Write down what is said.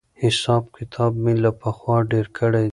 حساب کتاب مې له پخوا کړی دی.